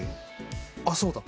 あっそうだ！